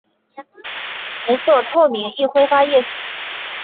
无色透明易挥发液体。